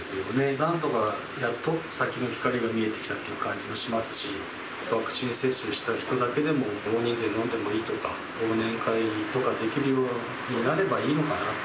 なんとか、やっと先の光が見えてきたっていう感じがしますし、ワクチン接種人だけでも大人数で飲んでもいいとか、忘年会とかできるようになればいいのかな。